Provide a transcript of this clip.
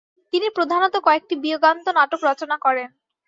তিনি প্রধানত কয়েকটি বিয়োগান্ত নাটক রচনা করেন।